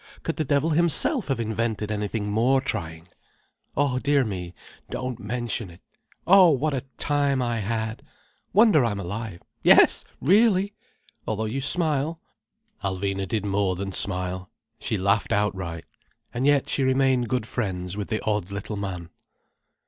Could the devil himself have invented anything more trying? Oh dear me, don't mention it. Oh, what a time I had! Wonder I'm alive. Yes, really! Although you smile." Alvina did more than smile. She laughed outright. And yet she remained good friends with the odd little man.